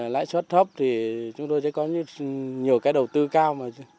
lãi suất thấp thì chúng tôi sẽ có nhiều cái đầu tư cao